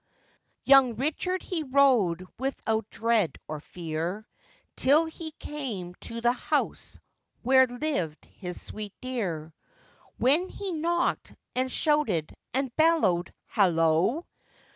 Young Richard he rode without dread or fear, Till he came to the house where lived his sweet dear, When he knocked, and shouted, and bellowed, 'Hallo!